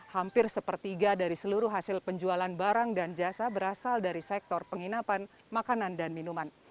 hampir sepertiga dari seluruh hasil penjualan barang dan jasa berasal dari sektor penginapan makanan dan minuman